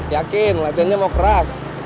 yakin latihannya mau keras